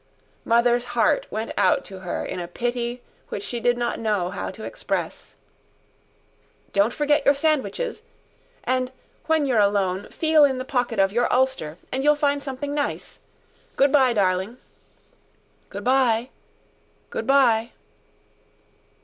Mother's heart went out to her in a pity which she did not know how to express. "Don't forget your sandwiches. And when you're alone, feel in the pocket of your ulster and you'll find something nice. Good bye, darling." "Good bye ... good bye."